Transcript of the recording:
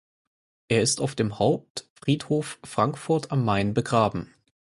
Er ist auf dem Hauptfriedhof Frankfurt am Main begraben.